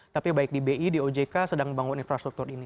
tapi baik di bi di ojk sedang membangun infrastruktur ini